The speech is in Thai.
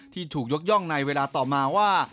ที่ถูกยกย่องในเวลาต่อมาว่า